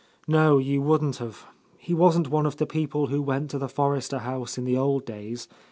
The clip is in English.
"No, you wouldn't have. He wasn't one of the people who went to the Forrester house in the old days.